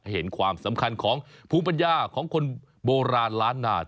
เห็นความสำคัญของภูมิปัญญาของคนโบราณล้านนา